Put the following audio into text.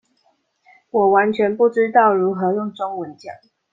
我完全不知道如何用中文講